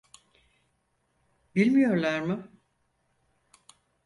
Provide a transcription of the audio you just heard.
Bilmiyorlar mı?